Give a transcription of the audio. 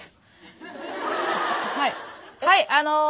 はい。